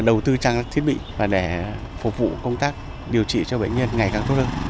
đầu tư trang thiết bị và để phục vụ công tác điều trị cho bệnh nhân ngày càng tốt hơn